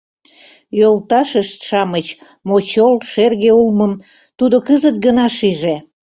Йолташышт-шамыч мочол шерге улмым тудо кызыт гына шиже.